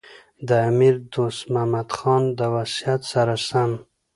د امیر دوست محمد خان د وصیت سره سم.